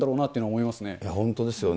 いや、本当ですよね。